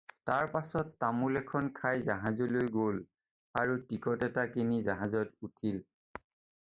তাৰ পাচত তামোল এখন খাই জাহাজলৈ গ'ল আৰু টিকট এটা কিনি জাহাজত উঠিল।